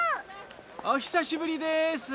おひさしぶりです。